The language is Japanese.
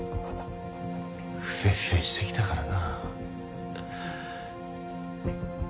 不摂生してきたからな。